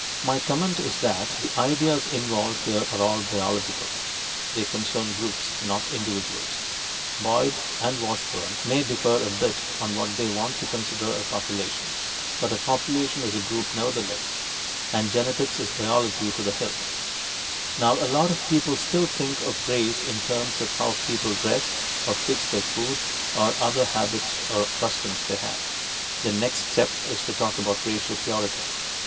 My comment is that the ideas involved here are all biological: they concern groups, not individuals. Boyd and Washburn may differ a bit on what they want to consider a "population," but a population is a group nevertheless, and genetics is biology to the hilt. Now a lot of people still think of race in terms of how people dress or fix their food or of other habits or customs they have. The next step is to talk about racial "purity."